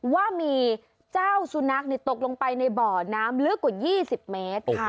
ว่ามีเจ้าสุนัขตกลงไปในบ่อน้ำลึกกว่า๒๐เมตร